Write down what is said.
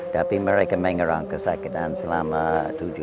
tapi mereka mengerang kesakitan selama tujuh hari